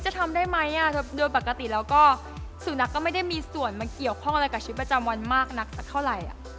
จะทำได้ไหมโดยปกติแล้วก็สุนัขก็ไม่ได้มีส่วนมาเกี่ยวข้องอะไรกับชีวิตประจำวันมากนักสักเท่าไหร่